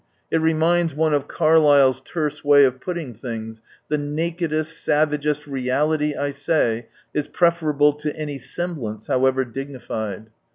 It reminds one of Carlyle's terse way of putting things, " The nakcdest, savagest reality I say, is preferable to any semblance, however dignified."